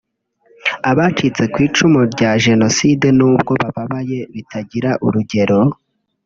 Abacitse ku icumu rya Jenoside nubwo bababaye bitagira urugero